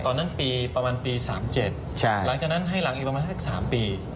ตอนนั้นปีประมาณปีสามเจ็ดใช่หลังจากนั้นให้หลังอีกประมาณสักสามปี